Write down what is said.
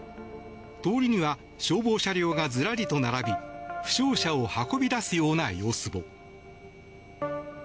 通りには消防車両がずらりと並び負傷者を運び出すような様子も。